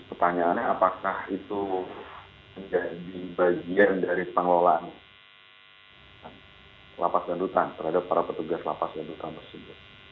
pertanyaannya apakah itu menjadi bagian dari pengelolaan lapas dan rutan terhadap para petugas lapas dan rutan tersebut